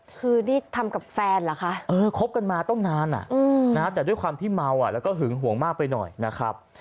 คือนี่ทำกับแฟนเหรอคะคบกันมาตั้งนานแต่ด้วยความที่เมาแล้วก็หึงห่วงมากไปหน่อยนะครับ